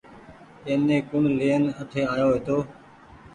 ايني ڪوڻ لين اٺي آيو هيتو۔